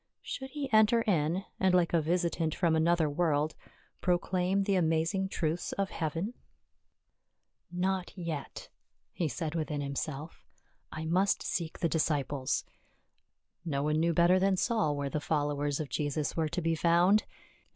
Should he enter in, and like a visitant from another world proclaim the amazing truths of heaven ? SA UL IN JER USA LEM. 131 " Not yet," he said within himself. " I must seek the disciples." No one knew better than Saul where the followers of Jesus were to be found.